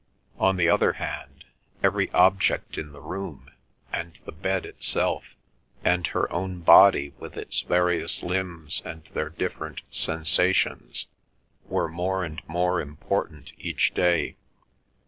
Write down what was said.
On the other hand, every object in the room, and the bed itself, and her own body with its various limbs and their different sensations were more and more important each day.